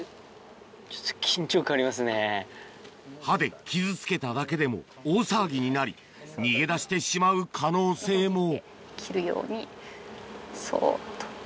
刃で傷つけただけでも大騒ぎになり逃げ出してしまう可能性も切るようにそっと。